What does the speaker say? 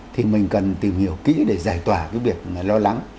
thì mình cần tìm hiểu kỹ để giải tỏa cái việc lo lắng